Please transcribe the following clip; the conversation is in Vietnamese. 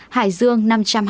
hải dương năm trăm hai mươi